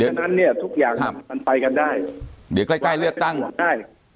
เพราะฉะนั้นเนี่ยทุกอย่างมันไปกันได้วางยุทธศาสตร์ได้